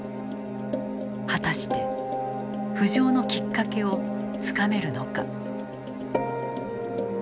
果たして浮上のきっかけをつかめるのか。